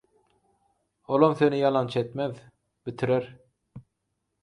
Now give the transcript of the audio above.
Olam seni ýalançy etmez – bitirer.